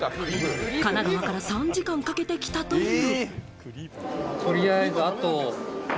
神奈川から３時間かけて来たという。